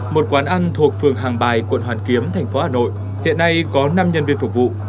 một quán ăn thuộc phường hàng bài quận hoàn kiếm thành phố hà nội hiện nay có năm nhân viên phục vụ